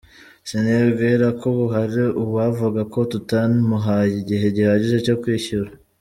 Sinibwira ko ubu hari uwavuga ko tutamuhaye igihe gihagije cyo kwishyura.